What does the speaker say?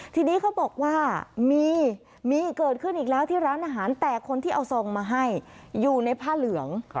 ทีนี้เขาบอกว่ามีมีเกิดขึ้นอีกแล้วที่ร้านอาหารแต่คนที่เอาซองมาให้อยู่ในผ้าเหลือง